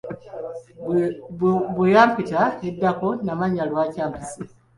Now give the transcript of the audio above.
Bwe yampita eddako, namanya lwaki ampise.